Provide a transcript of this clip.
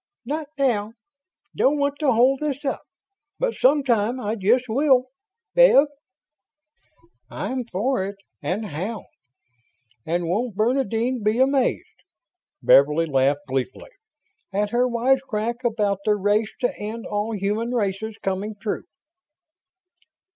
"Not now don't want to hold this up but sometime I just will. Bev?" "I'm for it and how! And won't Bernadine be amazed," Beverly laughed gleefully, "at her wise crack about the 'race to end all human races' coming true?"